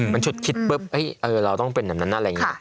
มันฉุดคิดปุ๊บเราต้องเป็นแบบนั้นอะไรอย่างนี้